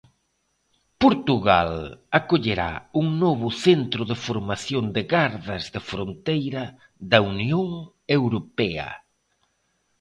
Portugal acollerá un novo centro de formación de gardas de fronteira da Unión Europea.